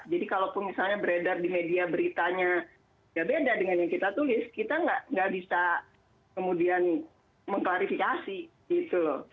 jadi kalau misalnya beredar di media beritanya tidak beda dengan yang kita tulis kita tidak bisa kemudian mengklarifikasi gitu loh